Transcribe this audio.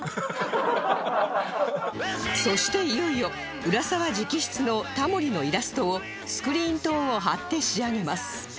そしていよいよ浦沢直筆のタモリのイラストをスクリーントーンを貼って仕上げます